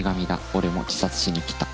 俺も自殺しに来た。